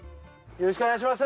よろしくお願いします。